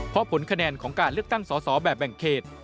เพราะผลคะแนนของการเลือกตั้งสอสอแบบแบ่งเขต